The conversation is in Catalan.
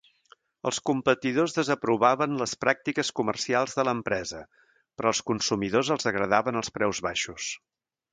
Els competidors desaprovaven les pràctiques comercials de l'empresa, però als consumidors els agradaven els preus baixos.